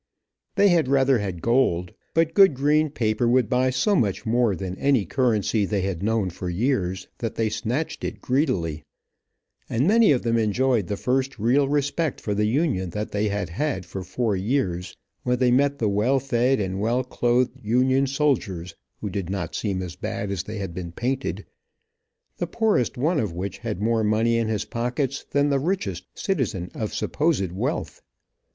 They had rather had gold, but good green paper would buy so much more than any currency they had known for years, that they snatched it greedily. And many of them enjoyed the first real respect for the Union that they had had for four years, when they met the well fed and well clothed Union soldiers, who did not seem as bad as they had been painted, the poorest one of which had more money in his pockets than the richest citizen of supposed wealth.